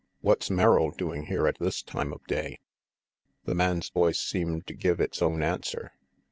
What's Merrill doing here at this time of day?" The man's voice seemed to give its own answer.